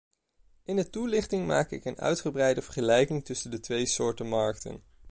In de toelichting maak ik een uitgebreide vergelijking tussen de twee soorten markten.